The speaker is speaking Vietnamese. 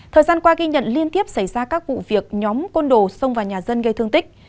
thời gian qua ghi nhận liên tiếp xảy ra các vụ việc nhóm côn đồ xông vào nhà dân gây thương tích